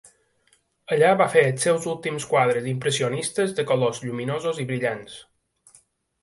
Allà va fer els seus últims quadres impressionistes de colors lluminosos i brillants.